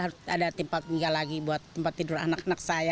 harus ada tempat tinggal lagi buat tempat tidur anak anak saya